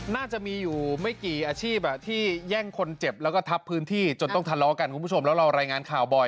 น่าจะมีอยู่ไม่กี่อาชีพที่แย่งคนเจ็บแล้วก็ทับพื้นที่จนต้องทะเลาะกันคุณผู้ชมแล้วเรารายงานข่าวบ่อย